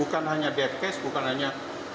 bukan hanya death case bukan hanya